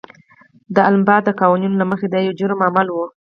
د الاباما د قوانینو له مخې دا یو جرمي عمل و.